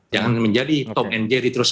jangan menjadi top and jerry terus